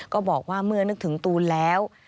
ก็บอกว่าเมื่อนึกถึงตูนแล้ว